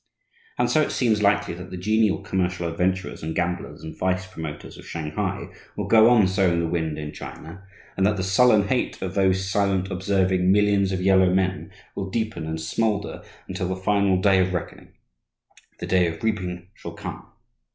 And so it seems likely that the genial commercial adventurers and gamblers and vice promoters of Shanghai will go on sowing the wind in China and that the sullen hate of those silent, observing millions of yellow men will deepen and smoulder until the final day of reckoning, the day of reaping, shall come.